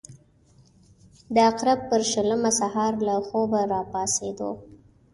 د عقرب پر شلمه سهار له خوبه راپاڅېدو.